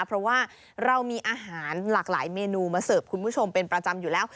เพราะว่าเรามีอาหารหลากหลายเมนูมาเสิร์ฟคุณผู้ชมเป็นประจำอยู่แล้ว